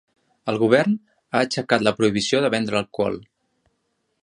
El govern ha aixecat la prohibició de vendre alcohol.